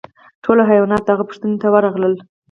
ټول حیوانات د هغه پوښتنې ته ورغلل.